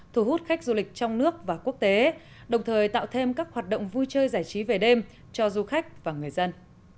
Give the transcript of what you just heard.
thu hút khách du lịch trong nước và quốc tế đồng thời tạo thêm các hoạt động vui chơi giải trí về đêm cho du khách và người dân